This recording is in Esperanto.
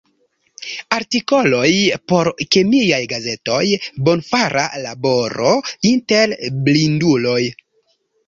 Artikoloj por kemiaj gazetoj; bonfara laboro inter blinduloj.